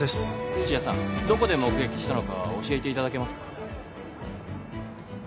土屋さんどこで目撃したのか教えていただけますか？